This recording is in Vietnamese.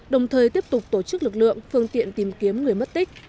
đồng thời tiếp tục tổ chức lực lượng phương tiện tìm kiếm người mất tích